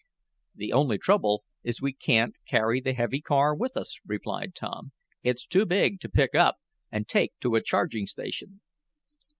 "The only trouble is we can't carry the heavy car with us," replied Tom. "It's too big to pick up and take to a charging station."